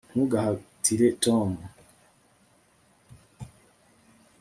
ntugahatire tom